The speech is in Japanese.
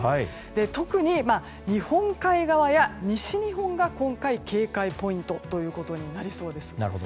特に日本海側や西日本が今回、警戒ポイントとなりそうです。